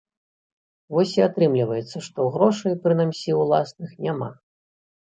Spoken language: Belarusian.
Вось і атрымліваецца, што грошай, прынамсі ўласных, няма.